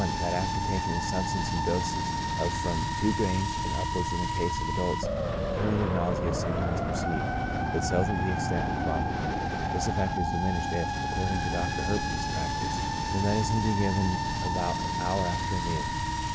That after taking this substance in doses of from two grains and upwards in the case of adults, a feeling of nau sea is sometimes perceived, but seldom to the extent of producing vomiting. This effect is diminished if, according to Dr. Herpin's practice, the medicine be given about an hour after a meal.